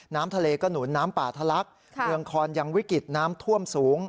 น้ำทะเลก็หนุนน้ำป่าทะลักเมืองคอนยังวิกฤตน้ำท่วมสูง